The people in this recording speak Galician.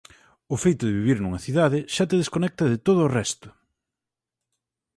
O feito de vivir nunha cidade xa te desconecta de todo o resto.